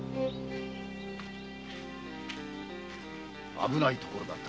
危ないところだった。